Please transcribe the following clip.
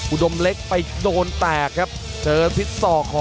อุดมเล็กไปโดนแตกครับเจอทิศศอกคอ